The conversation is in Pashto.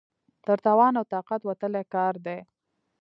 تر توان او طاقت وتلی کار دی.